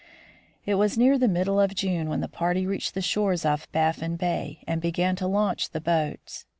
It was near the middle of June when the party reached the shores of Baffin bay and began to launch the boats.